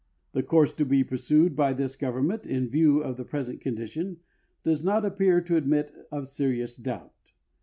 The course to be pursued by this government, in view of the present condition, does not appear to admit of serious doubt.